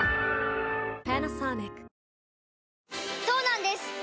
そうなんです